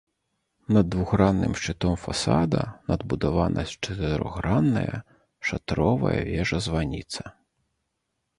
Над двухгранным шчытом фасада надбудавана чатырохгранная шатровая вежа-званіца.